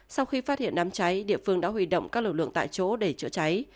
sau khi phát hiện đám cháy địa phương đã huy động các lực lượng tại chỗ để chữa cháy